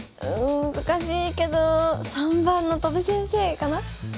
うん難しいけど３番の戸辺先生かな？